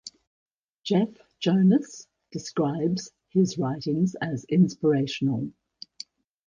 Jeff Jonas describes his writings as inspirational.